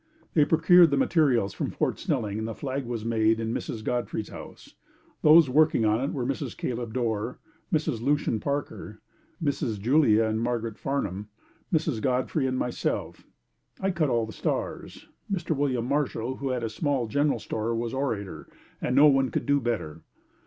They procured the materials from Fort Snelling and the flag was made in Mrs. Godfrey's house. Those working on it were Mrs. Caleb Dorr, Mrs. Lucien Parker, Misses Julia and Margaret Farnham, Mrs. Godfrey and myself. I cut all the stars. Mr. William Marshall who had a small general store was orator and no one could do better.